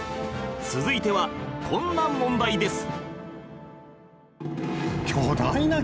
続いてはこんな問題です